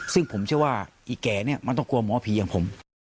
ซึ่งผมเชื่อว่าไอ้แก่เนี่ยมันต้องกลัวหมอผีอย่างผม